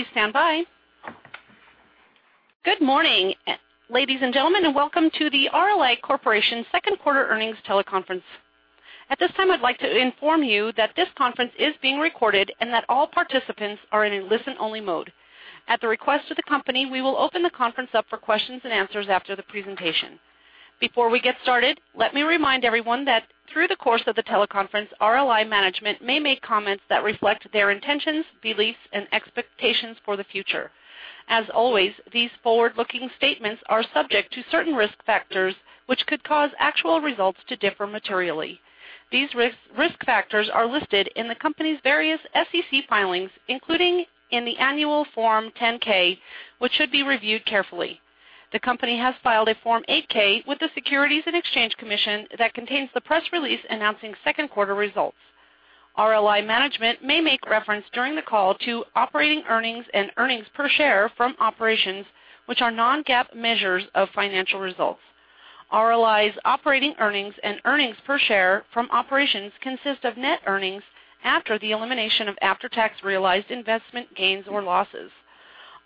Please stand by. Good morning, ladies and gentlemen, and welcome to the RLI Corp. second quarter earnings teleconference. At this time, I'd like to inform you that this conference is being recorded and that all participants are in a listen-only mode. At the request of the company, we will open the conference up for questions and answers after the presentation. Before we get started, let me remind everyone that through the course of the teleconference, RLI management may make comments that reflect their intentions, beliefs, and expectations for the future. As always, these forward-looking statements are subject to certain risk factors, which could cause actual results to differ materially. These risk factors are listed in the company's various SEC filings, including in the annual Form 10-K, which should be reviewed carefully. The company has filed a Form 8-K with the Securities and Exchange Commission that contains the press release announcing second quarter results. RLI management may make reference during the call to operating earnings and earnings per share from operations, which are non-GAAP measures of financial results. RLI's operating earnings and earnings per share from operations consist of net earnings after the elimination of after-tax realized investment gains or losses.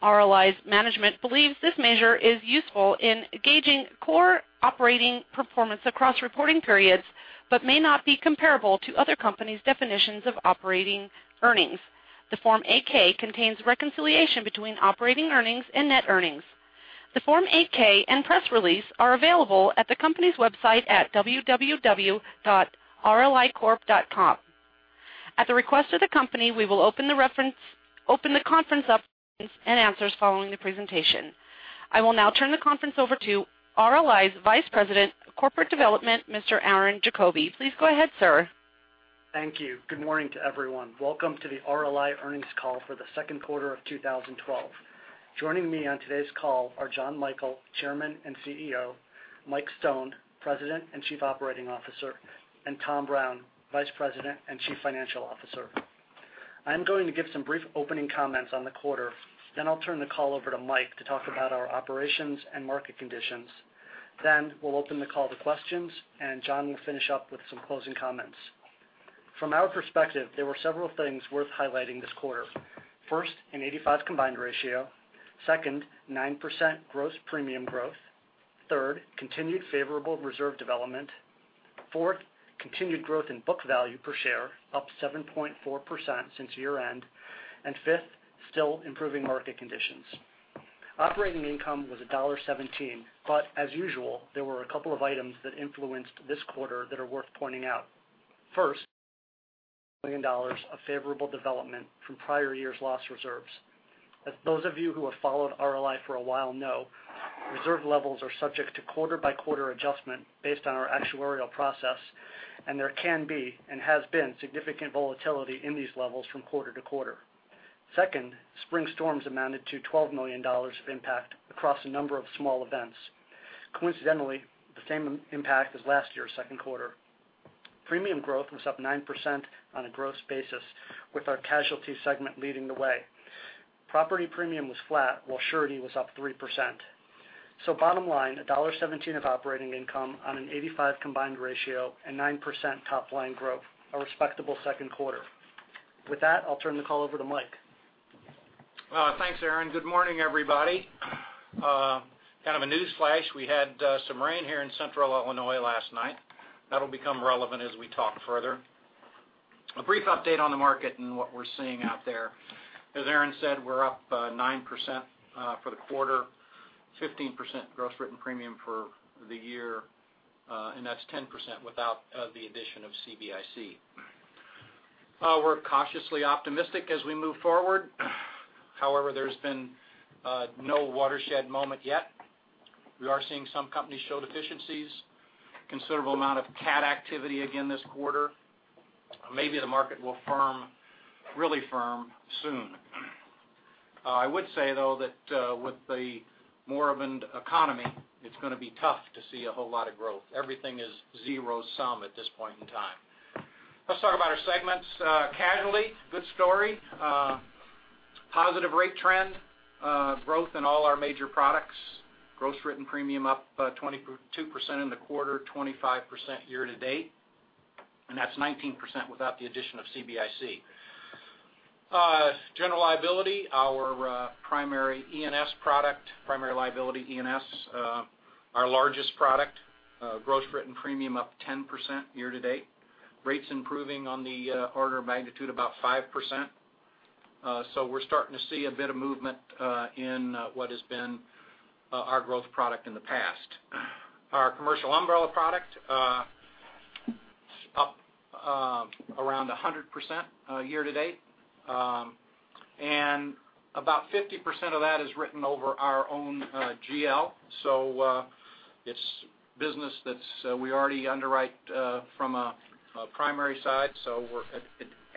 RLI's management believes this measure is useful in gauging core operating performance across reporting periods but may not be comparable to other companies' definitions of operating earnings. The Form 8-K contains reconciliation between operating earnings and net earnings. The Form 8-K and press release are available at the company's website at www.rlicorp.com. At the request of the company, we will open the conference up for questions and answers following the presentation. I will now turn the conference over to RLI's Vice President of Corporate Development, Mr. Aaron Diefenthaler. Please go ahead, sir. Thank you. Good morning to everyone. Welcome to the RLI earnings call for the second quarter of 2012. Joining me on today's call are John Michael, Chairman and CEO, Mike Stone, President and Chief Operating Officer, and Tom Brown, Vice President and Chief Financial Officer. I'm going to give some brief opening comments on the quarter, then I'll turn the call over to Mike to talk about our operations and market conditions. We'll open the call to questions, and John will finish up with some closing comments. From our perspective, there were several things worth highlighting this quarter. First, an 85 combined ratio. Second, 9% gross premium growth. Third, continued favorable reserve development. Fourth, continued growth in book value per share, up 7.4% since year-end. Fifth, still improving market conditions. Operating income was $1.17. As usual, there were a couple of items that influenced this quarter that are worth pointing out. First, $2 million of favorable development from prior years' loss reserves. As those of you who have followed RLI for a while know, reserve levels are subject to quarter-by-quarter adjustment based on our actuarial process, and there can be and has been significant volatility in these levels from quarter to quarter. Second, spring storms amounted to $12 million of impact across a number of small events. Coincidentally, the same impact as last year's second quarter. Premium growth was up 9% on a gross basis, with our Casualty segment leading the way. Property premium was flat, while Surety was up 3%. Bottom line, $1.17 of operating income on an 85% combined ratio and 9% top-line growth, a respectable second quarter. With that, I'll turn the call over to Mike. Thanks, Aaron. Good morning, everybody. Kind of a newsflash. We had some rain here in central Illinois last night. That'll become relevant as we talk further. A brief update on the market and what we're seeing out there. As Aaron said, we're up 9% for the quarter, 15% gross written premium for the year, and that's 10% without the addition of CBIC. We're cautiously optimistic as we move forward. However, there's been no watershed moment yet. We are seeing some companies show deficiencies, considerable amount of CAT activity again this quarter. Maybe the market will really firm soon. I would say, though, that with the moribund economy, it's going to be tough to see a whole lot of growth. Everything is zero sum at this point in time. Let's talk about our segments. Casualty, good story. Positive rate trend, growth in all our major products, gross written premium up 22% in the quarter, 25% year to date, and that's 19% without the addition of CBIC. General Liability, our primary E&S product, primary liability E&S, our largest product, gross written premium up 10% year to date. Rates improving on the order of magnitude about 5%. We're starting to see a bit of movement in what has been our growth product in the past. Our commercial umbrella product up around 100% year to date, and about 50% of that is written over our own GL. It's business that we already underwrite from a primary side, so we're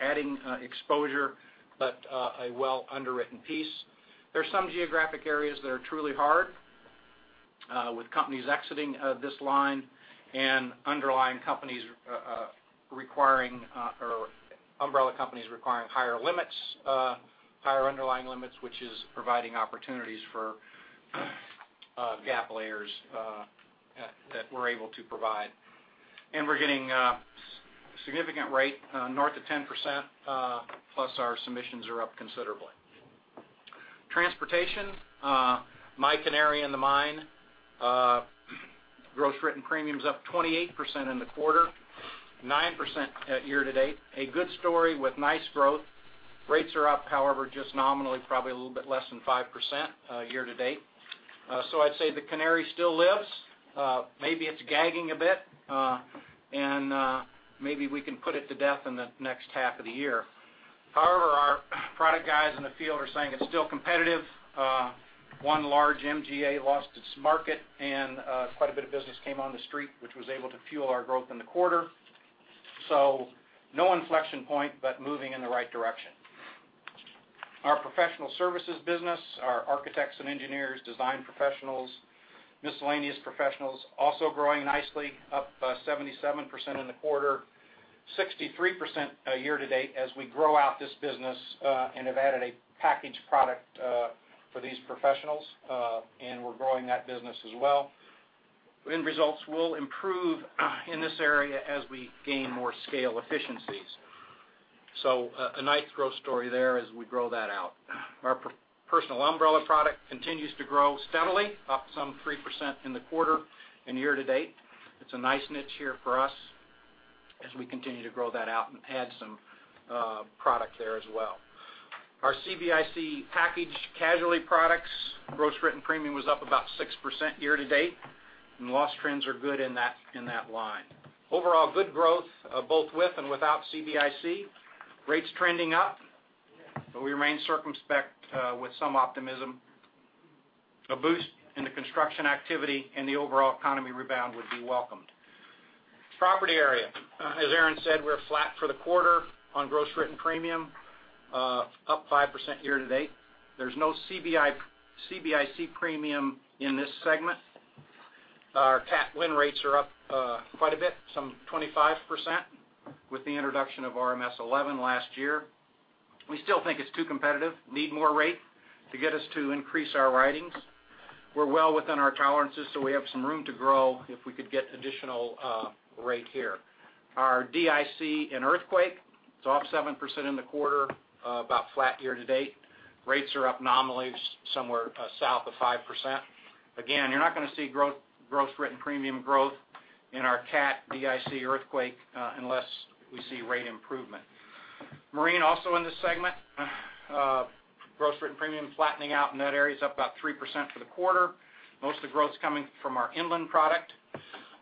adding exposure, but a well underwritten piece. There is some geographic areas that are truly hard with companies exiting this line and underlying companies requiring, or umbrella companies requiring higher limits, higher underlying limits, which is providing opportunities for gap layers that we are able to provide. We are getting a significant rate, north of 10%, plus our submissions are up considerably. Transportation, my canary in the mine. Gross written premiums up 28% in the quarter, 9% year to date. A good story with nice growth. Rates are up, however, just nominally, probably a little bit less than 5% year to date. I would say the canary still lives. Maybe it is gagging a bit, and maybe we can put it to death in the next half of the year. However, our product guys in the field are saying it is still competitive. One large MGA lost its market, and quite a bit of business came on the street, which was able to fuel our growth in the quarter. No inflection point, but moving in the right direction. Our professional services business, our architects and engineers, design professionals, miscellaneous professionals, also growing nicely, up 77% in the quarter, 63% year to date as we grow out this business and have added a package product for these professionals, and we are growing that business as well. End results will improve in this area as we gain more scale efficiencies. A nice growth story there as we grow that out. Our personal umbrella product continues to grow steadily, up some 3% in the quarter and year to date. It is a nice niche here for us as we continue to grow that out and add some product there as well. Our CBIC package casualty products, gross written premium was up about 6% year to date, and loss trends are good in that line. Overall, good growth both with and without CBIC. Rates trending up, but we remain circumspect with some optimism. A boost in the construction activity and the overall economy rebound would be welcomed. Property area. As Aaron said, we are flat for the quarter on gross written premium, up 5% year to date. There is no CBIC premium in this segment. Our CAT wind rates are up quite a bit, some 25%, with the introduction of RMS v11 last year. We still think it is too competitive, need more rate to get us to increase our writings. We are well within our tolerances, so we have some room to grow if we could get additional rate here. Our DIC in earthquake, it is off 7% in the quarter, about flat year to date. Rates are up nominally somewhere south of 5%. Again, you are not going to see gross written premium growth in our CAT DIC earthquake unless we see rate improvement. Marine, also in this segment. Gross written premium flattening out in that area is up about 3% for the quarter. Most of the growth is coming from our inland product.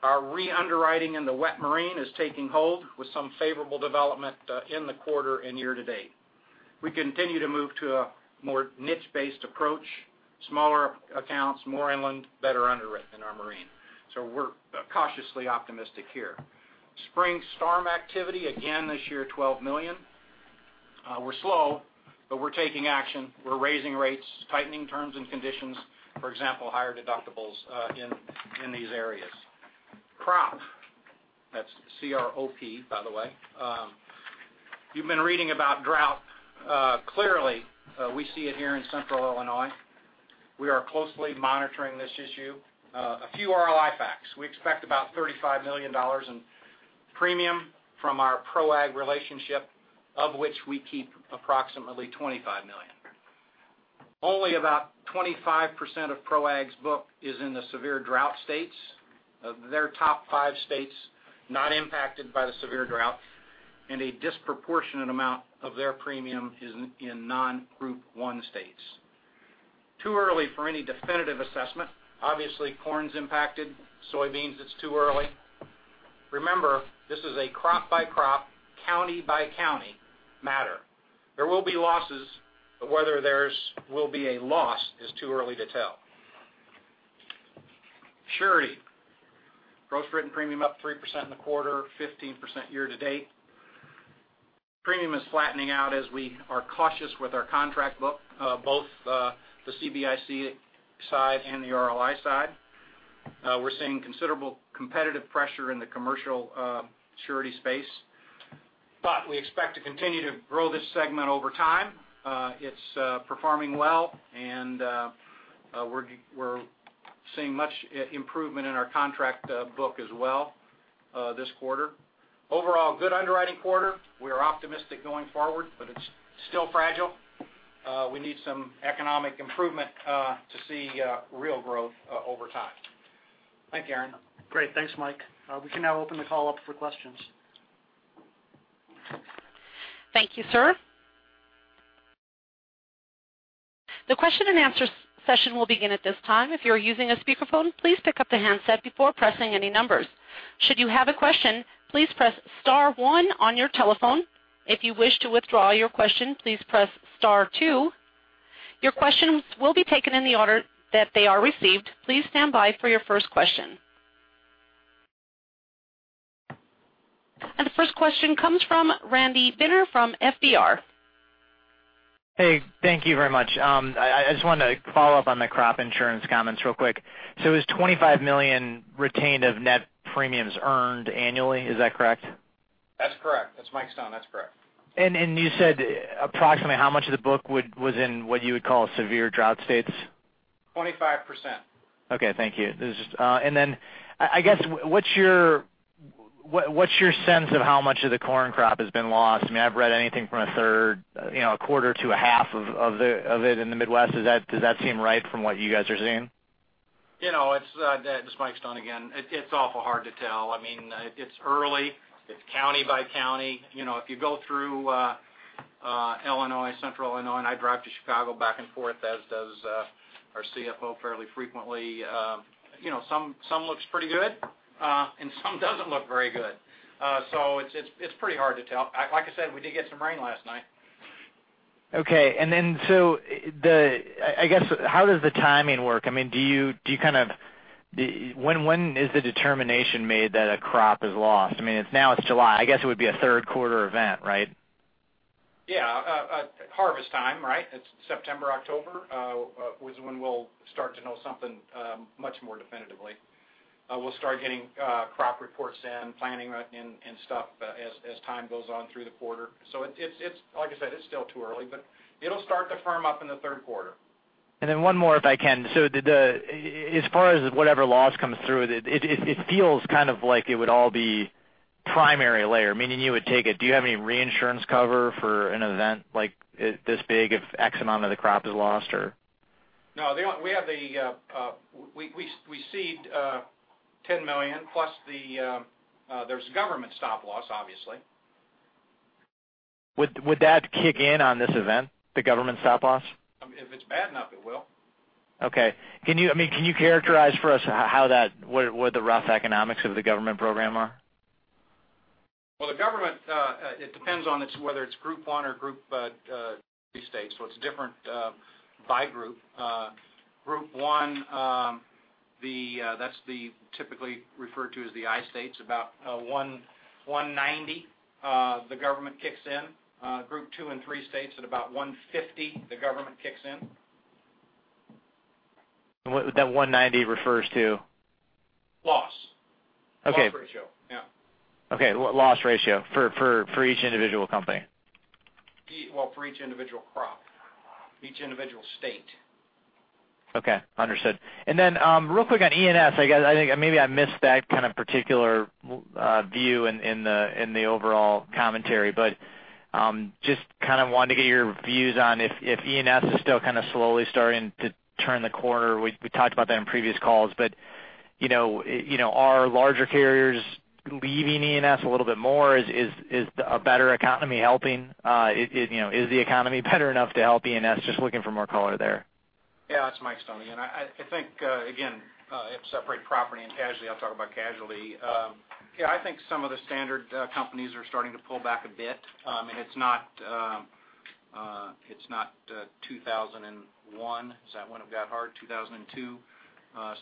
Our re-underwriting in the wet marine is taking hold with some favorable development in the quarter and year to date. We continue to move to a more niche-based approach, smaller accounts, more inland, better underwritten in our marine. We are cautiously optimistic here. Spring storm activity, again this year, $12 million. We are slow, but we are taking action. We are raising rates, tightening terms and conditions. For example, higher deductibles in these areas. Crop, that is C-R-O-P, by the way. You have been reading about drought. Clearly, we see it here in central Illinois. We are closely monitoring this issue. A few RLI facts. We expect about $35 million in premium from our ProAg relationship, of which we keep approximately $25 million. Only about 25% of ProAg's book is in the severe drought states. Their top five states, not impacted by the severe drought, and a disproportionate amount of their premium is in non-Group 1 states. Too early for any definitive assessment. Obviously, corn's impacted. Soybeans, it's too early. Remember, this is a crop-by-crop, county-by-county matter. There will be losses, but whether there will be a loss is too early to tell. Surety. Gross written premium up 3% in the quarter, 15% year to date. Premium is flattening out as we are cautious with our contract book, both the CBIC side and the RLI side. We're seeing considerable competitive pressure in the commercial surety space. We expect to continue to grow this segment over time. It's performing well, and we're seeing much improvement in our contract book as well this quarter. Overall, good underwriting quarter. We are optimistic going forward, it's still fragile. We need some economic improvement to see real growth over time. Thank you, Aaron. Great. Thanks, Mike. We can now open the call up for questions. Thank you, sir. The question and answer session will begin at this time. If you're using a speakerphone, please pick up the handset before pressing any numbers. Should you have a question, please press star one on your telephone. If you wish to withdraw your question, please press star two. Your questions will be taken in the order that they are received. Please stand by for your first question. The first question comes from Randy Binner from FBR. Hey, thank you very much. I just wanted to follow up on the crop insurance comments real quick. It was $25 million retained of net premiums earned annually. Is that correct? That's correct. That's Mike Stone. That's correct. You said approximately how much of the book was in what you would call severe drought states? 25%. Okay. Thank you. I guess, what's your sense of how much of the corn crop has been lost? I've read anything from a third, a quarter to a half of it in the Midwest. Does that seem right from what you guys are seeing? It's Mike Stone again. It's awful hard to tell. It's early. It's county by county. If you go through Illinois, central Illinois, and I drive to Chicago back and forth, as does our CFO fairly frequently, some looks pretty good and some doesn't look very good. It's pretty hard to tell. Like I said, we did get some rain last night. Okay. I guess, how does the timing work? When is the determination made that a crop is lost? Now it's July, I guess it would be a third quarter event, right? Yeah. Harvest time, right? It's September, October, was when we'll start to know something much more definitively. We'll start getting crop reports in, planning and stuff as time goes on through the quarter. Like I said, it's still too early, but it'll start to firm up in the third quarter. One more, if I can. As far as whatever loss comes through, it feels like it would all be primary layer, meaning you would take it. Do you have any reinsurance cover for an event like this big if X amount of the crop is lost or? No. We cede $10 million, plus there's government stop loss, obviously. Would that kick in on this event, the government stop loss? If it's bad enough, it will. Okay. Can you characterize for us what the rough economics of the government program are? Well, the government, it depends on whether it's Group 1 or Group 3 states, so it's different by group. Group 1, that's typically referred to as the I states, about 190 the government kicks in. Group 2 and 3 states, at about 150 the government kicks in. That 190 refers to? Loss. Okay. Loss ratio. Yeah. Okay. Loss ratio for each individual company. Well, for each individual crop. Each individual state. Okay. Understood. Then, real quick on E&S. I guess, maybe I missed that kind of particular view in the overall commentary, but just kind of wanted to get your views on if E&S is still kind of slowly starting to turn the corner. We talked about that in previous calls, are larger carriers leaving E&S a little bit more? Is a better economy helping? Is the economy better enough to help E&S? Just looking for more color there. Yeah. It's Mike Stone. I think, again, if you separate property and casualty, I'll talk about casualty. Yeah, I think some of the standard companies are starting to pull back a bit. It's not 2001. Is that when it got hard? 2002.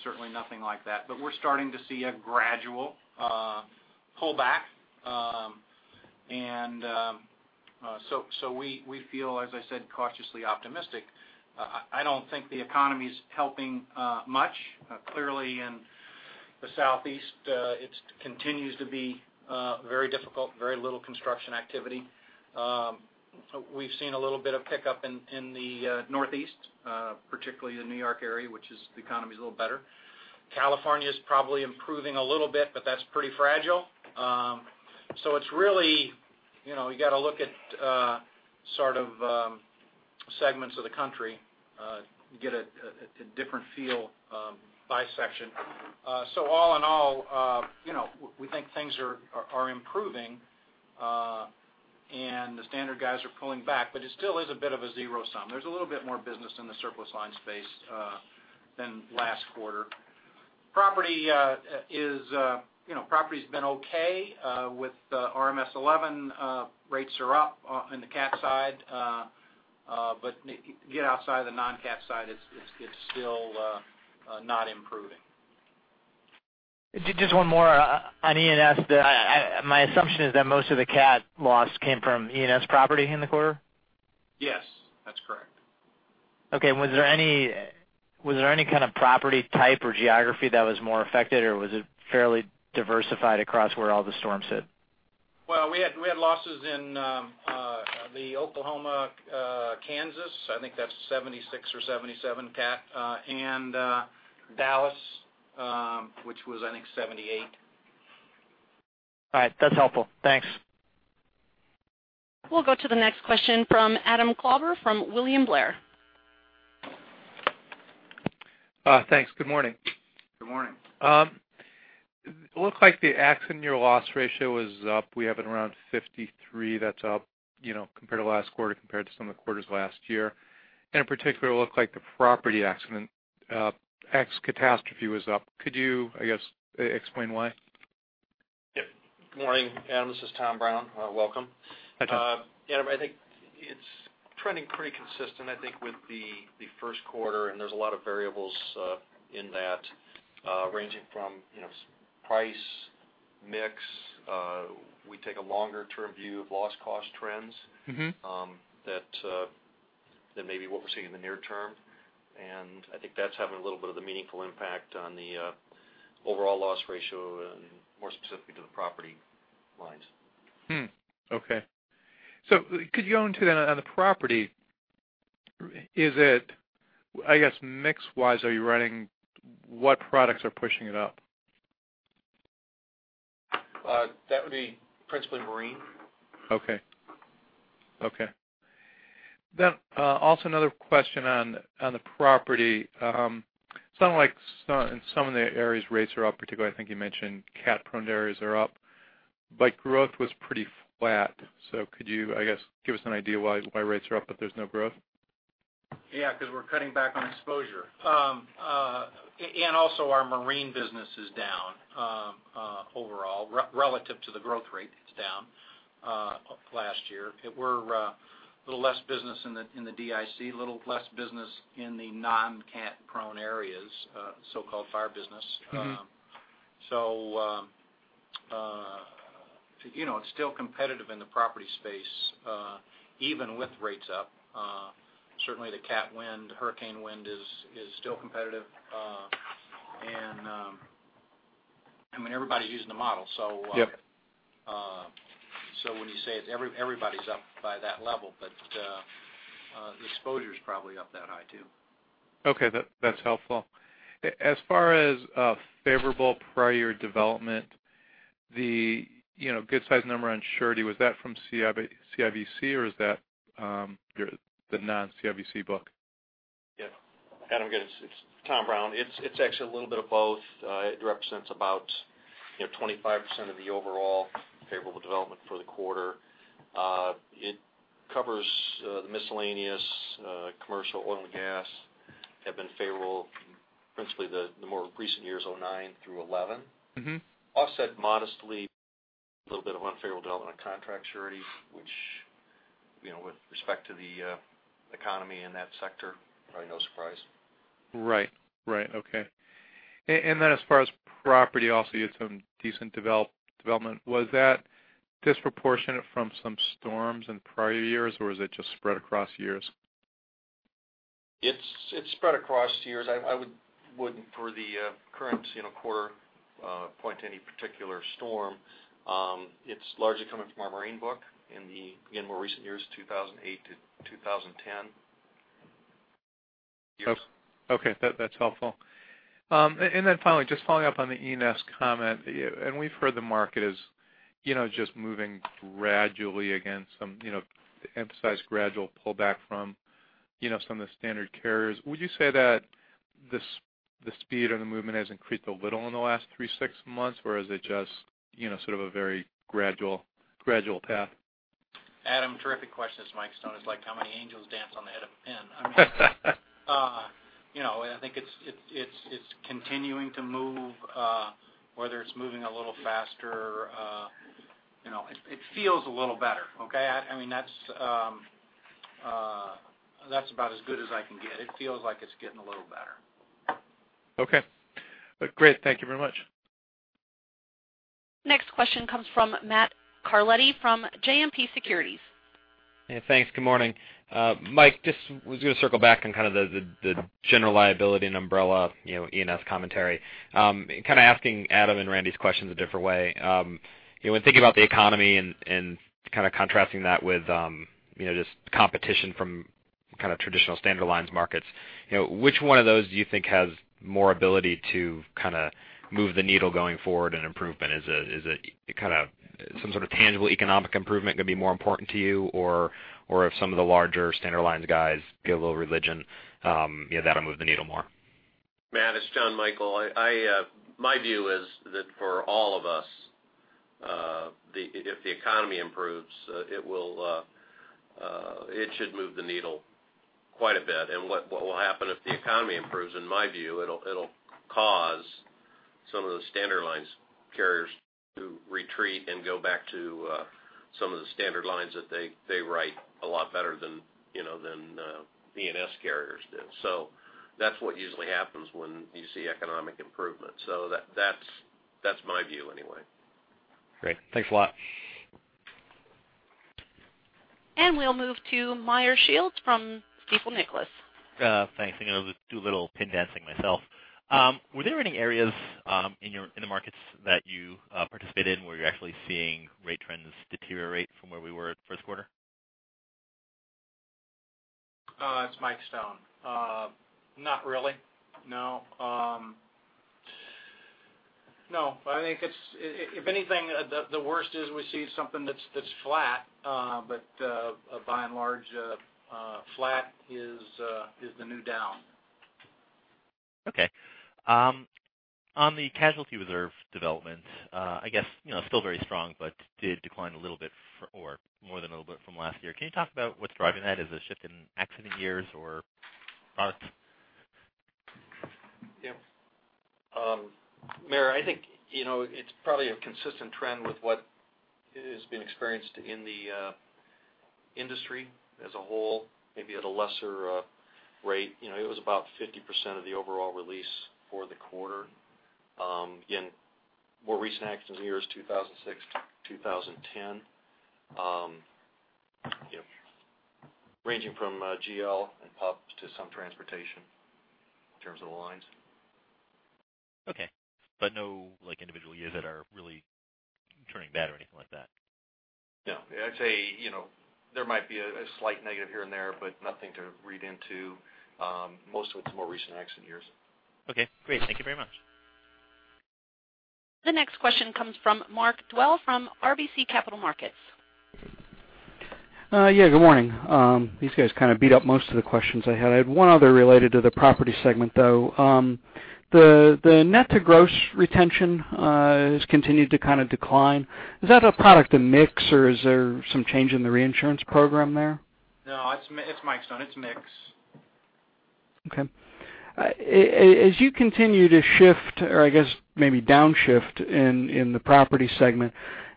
Certainly nothing like that. We're starting to see a gradual pullback. We feel, as I said, cautiously optimistic. I don't think the economy's helping much. Clearly in the Southeast, it continues to be very difficult, very little construction activity. We've seen a little bit of pickup in the Northeast, particularly the New York area, which the economy's a little better. California's probably improving a little bit, but that's pretty fragile. It's really, you've got to look at sort of segments of the country. You get a different feel by section. All in all, we think things are improving, and the standard guys are pulling back, but it still is a bit of a zero sum. There's a little bit more business in the surplus line space than last quarter. Property's been okay. With RMS v11, rates are up in the CAT side. You get outside the non-CAT side, it's still not improving. Just one more on E&S. Yeah. My assumption is that most of the CAT loss came from E&S property in the quarter? Yes, that's correct. Okay. Was there any kind of property type or geography that was more affected, or was it fairly diversified across where all the storms hit? Well, we had losses in the Oklahoma, Kansas, I think that's 76 or 77 CAT, and Dallas, which was, I think, 78. All right. That's helpful. Thanks. We'll go to the next question from Adam Klauber from William Blair. Thanks. Good morning. Good morning. It looked like the accident year loss ratio was up. We have it around 53. That's up compared to last quarter, compared to some of the quarters last year. In particular, it looked like the property accident ex catastrophe was up. Could you, I guess, explain why? Yep. Good morning, Adam. This is Tom Brown. Welcome. Hi, Tom. Adam, I think it's trending pretty consistent, I think with the first quarter, and there's a lot of variables in that, ranging from price, mix. We take a longer-term view of loss cost trends- That maybe what we're seeing in the near term, and I think that's having a little bit of the meaningful impact on the overall loss ratio and more specifically to the property lines. Hmm. Okay. Could you go into that on the property? I guess, mix-wise, what products are pushing it up? That would be principally marine. Also another question on the property. Sounds like in some of the areas, rates are up, particularly, I think you mentioned CAT-prone areas are up, but growth was pretty flat. Could you, I guess, give us an idea why rates are up, but there's no growth? Yeah, because we're cutting back on exposure. Also our marine business is down overall, relative to the growth rate, it's down last year. We're a little less business in the DIC, a little less business in the non-CAT-prone areas, so-called fire business. It's still competitive in the property space, even with rates up. Certainly, the CAT wind, hurricane wind is still competitive. Everybody's using the model. Yep. When you say it, everybody's up by that level, but the exposure's probably up that high too. Okay. That's helpful. As far as favorable prior development, the good size number on surety, was that from CBIC, or is that the non-CBIC book? Yeah. Adam, again, it's Tom Brown. It's actually a little bit of both. It represents about 25% of the overall favorable development for the quarter. It covers the miscellaneous commercial oil and gas have been favorable, principally the more recent years 2009 through 2011. Offset modestly, a little bit of unfavorable development of contract surety, which with respect to the economy in that sector, probably no surprise. Right. Okay. As far as property, also you had some decent development. Was that disproportionate from some storms in prior years, or is it just spread across years? It's spread across years. I wouldn't, for the current quarter, point to any particular storm. It's largely coming from our marine book in the more recent years, 2008 to 2010. Okay. That's helpful. Then finally, just following up on the E&S comment, we've heard the market is just moving gradually again, to emphasize gradual pullback from some of the standard carriers. Would you say that the speed of the movement has increased a little in the last three, six months? Or is it just sort of a very gradual path? Adam, terrific question. It's Mike Stone. It's like how many angels dance on the head of a pin. I think it's continuing to move, whether it's moving a little faster. It feels a little better, okay? That's about as good as I can get. It feels like it's getting a little better. Okay. Great. Thank you very much. Next question comes from Matthew Carletti from JMP Securities. Yeah, thanks. Good morning. Mike, just was going to circle back on kind of the general liability and umbrella E&S commentary. Kind of asking Adam and Randy's questions a different way. When thinking about the economy and kind of contrasting that with just competition from kind of traditional standard lines markets, which one of those do you think has more ability to kind of move the needle going forward in improvement? Is it some sort of tangible economic improvement going to be more important to you? If some of the larger standard lines guys get a little religion that'll move the needle more? Matt, it's John Michael. My view is that for all of us, if the economy improves, it should move the needle quite a bit. What will happen if the economy improves, in my view, it'll cause some of the standard lines carriers to retreat and go back to some of the standard lines that they write a lot better than E&S carriers do. That's what usually happens when you see economic improvement. That's my view anyway. Great. Thanks a lot. We'll move to Meyer Shields from Stifel, Nicolaus. Thanks. I'm going to do a little pin dancing myself. Were there any areas in the markets that you participated in where you're actually seeing rate trends deteriorate from where we were at first quarter? It's Mike Stone. Not really, no. No. If anything, the worst is we see something that's flat. By and large, flat is the new down. Okay. On the casualty reserve development, I guess still very strong, but did decline a little bit or more than a little bit from last year. Can you talk about what's driving that? Is it a shift in accident years or products? Yeah. Meyer, I think it's probably a consistent trend with what has been experienced in the industry as a whole, maybe at a lesser rate. It was about 50% of the overall release for the quarter. Again, more recent accident years 2006 to 2010 ranging from GL and pub to some transportation in terms of the lines. Okay. No individual years that are really turning bad or anything like that? No. I'd say there might be a slight negative here and there, but nothing to read into. Most of it's more recent accident years. Okay, great. Thank you very much. The next question comes from Mark Dwelle from RBC Capital Markets. Yeah, good morning. These guys kind of beat up most of the questions I had. I had one other related to the property segment, though. The net-to-gross retention has continued to kind of decline. Is that a product of mix, or is there some change in the reinsurance program there? No, it's Mike Stone. It's mix. Okay. As you continue to shift, or I guess maybe downshift in the property segment,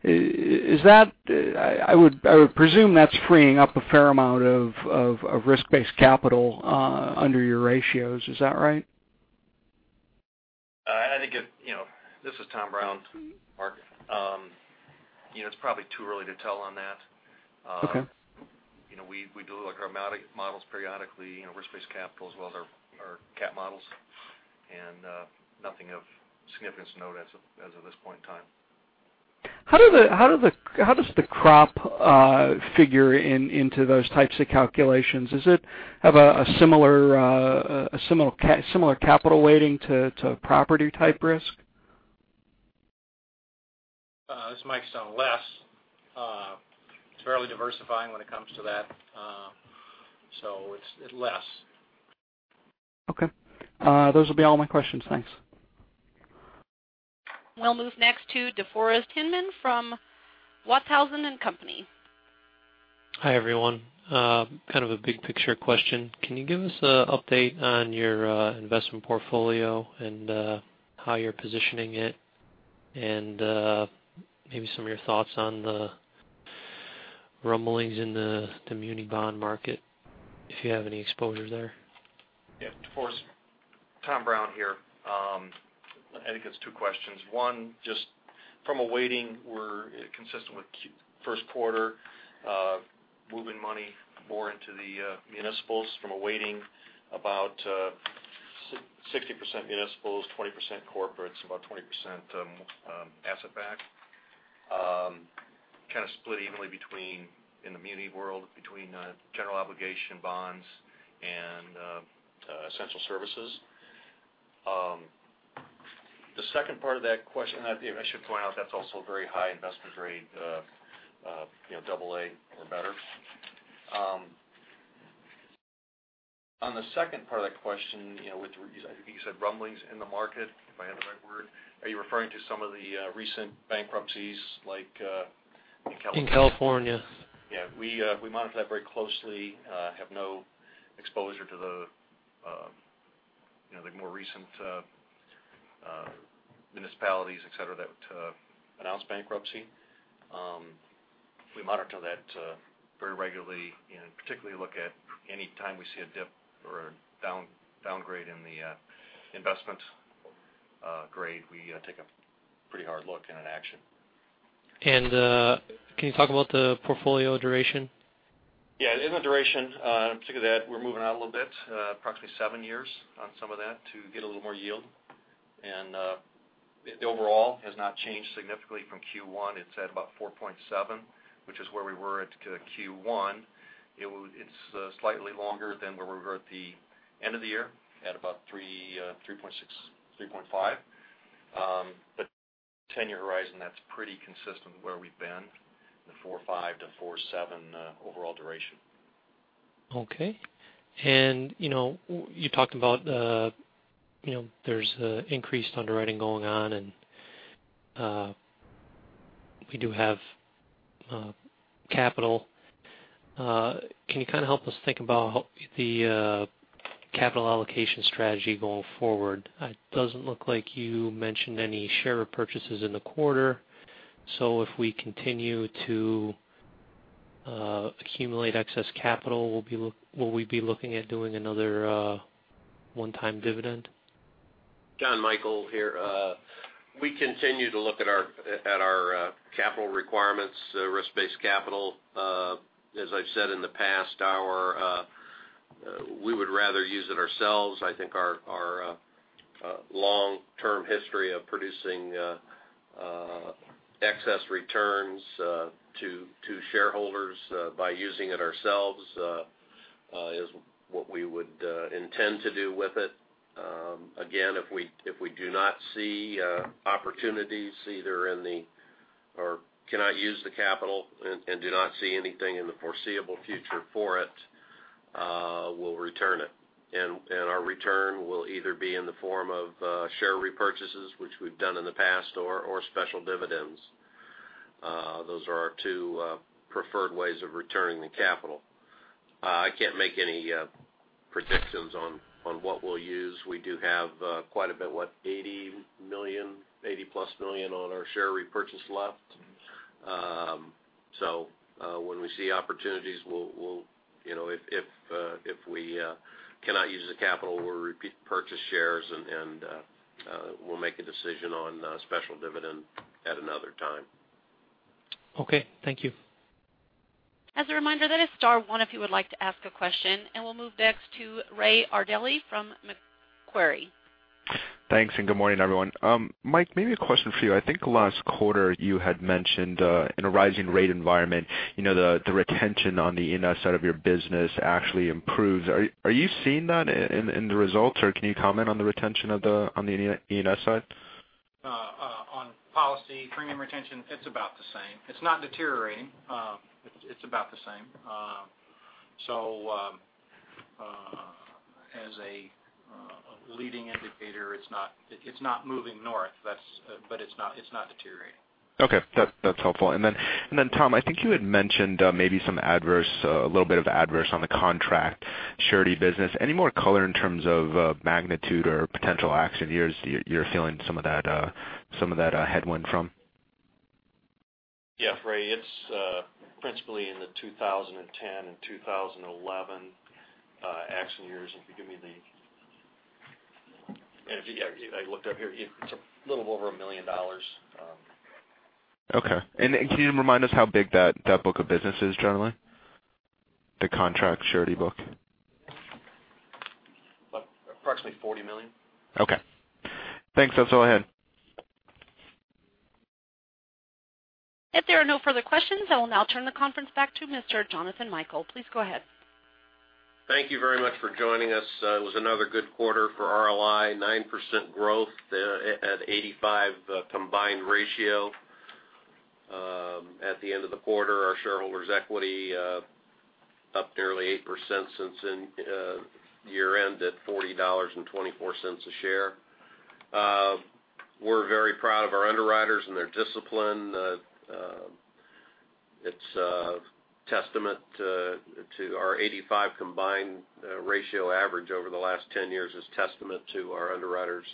I would presume that's freeing up a fair amount of risk-based capital under your ratios. Is that right? This is Tom Brown. Mark. It's probably too early to tell on that. Okay. We do look at our models periodically, risk-based capital as well as our CAT models, nothing of significance to note as of this point in time. How does the crop figure into those types of calculations? Does it have a similar capital weighting to property-type risk? This is Mike Stone. Less. It's fairly diversifying when it comes to that. It's less. Okay. Those will be all my questions, thanks. We'll move next to DeForest Tinman from Walthausen and Company. Hi, everyone. Kind of a big picture question. Can you give us an update on your investment portfolio and how you're positioning it? Maybe some of your thoughts on the rumblings in the muni bond market, if you have any exposure there? Yeah, DeForest. Tom Brown here. I think it's two questions. One, just from a weighting, we're consistent with Q1, moving money more into the municipals from a weighting about 60% municipals, 20% corporates, about 20% asset-backed. Kind of split evenly between, in the muni world, between general obligation bonds and essential services. The second part of that question, I should point out, that's also very high investment grade, AA or better. On the second part of that question, I think you said rumblings in the market, if I have the right word. Are you referring to some of the recent bankruptcies, like in California? In California. Yeah, we monitor that very closely. Have no exposure to the more recent municipalities, et cetera, that announced bankruptcy. We monitor that very regularly and particularly look at any time we see a dip or a downgrade in the investment grade. We take a pretty hard look and an action. Can you talk about the portfolio duration? Yeah. In the duration, particularly that we're moving out a little bit, approximately seven years on some of that to get a little more yield. The overall has not changed significantly from Q1. It's at about 4.7, which is where we were at Q1. It's slightly longer than where we were at the end of the year at about 3.5. Tenure horizon, that's pretty consistent where we've been, the 4.5 to 4.7 overall duration. Okay. You talked about there's increased underwriting going on, and we do have capital. Can you kind of help us think about the capital allocation strategy going forward? It doesn't look like you mentioned any share repurchases in the quarter. If we continue to accumulate excess capital, will we be looking at doing another one-time dividend? Jonathan Michael here. We continue to look at our capital requirements, risk-based capital. As I've said in the past hour, we would rather use it ourselves. I think our long-term history of producing excess returns to shareholders by using it ourselves is what we would intend to do with it. Again, if we do not see opportunities or cannot use the capital and do not see anything in the foreseeable future for it, we'll return it. Our return will either be in the form of share repurchases, which we've done in the past or special dividends. Those are our two preferred ways of returning the capital. I can't make any predictions on what we'll use. We do have quite a bit, what, $80 million, $80-plus million on our share repurchase left. When we see opportunities, if we cannot use the capital, we'll purchase shares, and we'll make a decision on a special dividend at another time. Okay. Thank you. As a reminder, that is star one if you would like to ask a question. We'll move next to Ray Ardelli from Macquarie. Thanks, good morning, everyone. Mike, maybe a question for you. I think last quarter you had mentioned, in a rising rate environment, the retention on the E&S side of your business actually improves. Are you seeing that in the results, or can you comment on the retention on the E&S side? On policy premium retention, it's about the same. It's not deteriorating. It's about the same. As a leading indicator, it's not moving north, but it's not deteriorating. Okay. That's helpful. Then, Tom, I think you had mentioned maybe a little bit of adverse on the contract surety business. Any more color in terms of magnitude or potential action years that you're feeling some of that headwind from? Yeah. Ray, it's principally in the 2010 and 2011 accident years. I looked up here. It's a little over $1 million. Okay. Can you remind us how big that book of business is, generally? The contract surety book. About approximately $40 million. Okay. Thanks. That's all I had. If there are no further questions, I will now turn the conference back to Mr. Jonathan Micheal. Please go ahead. Thank you very much for joining us. It was another good quarter for RLI, 9% growth at 85 combined ratio. At the end of the quarter, our shareholders' equity up nearly 8% since year-end at $40.24 a share. We're very proud of our underwriters and their discipline. Our 85 combined ratio average over the last 10 years is testament to our underwriters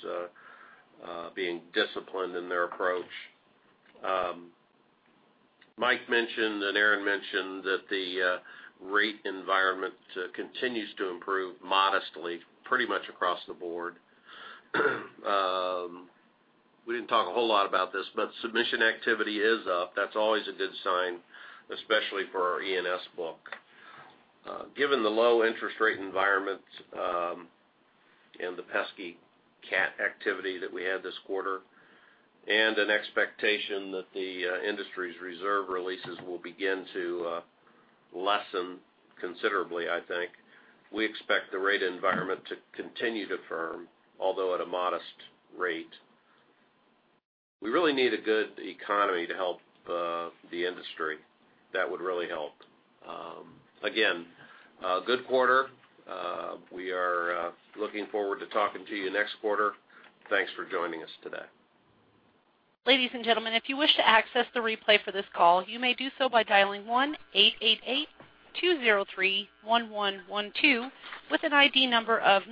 being disciplined in their approach. Mike mentioned, and Aaron mentioned that the rate environment continues to improve modestly, pretty much across the board. Submission activity is up. That's always a good sign, especially for our E&S book. Given the low interest rate environment, and the pesky CAT activity that we had this quarter, and an expectation that the industry's reserve releases will begin to lessen considerably, we expect the rate environment to continue to firm, although at a modest rate. We really need a good economy to help the industry. That would really help. Again, a good quarter. We are looking forward to talking to you next quarter. Thanks for joining us today. Ladies and gentlemen, if you wish to access the replay for this call, you may do so by dialing 1-888-203-1112 with an ID number of